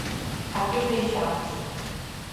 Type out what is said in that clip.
Aquí os deixamos.